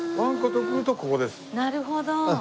なるほど。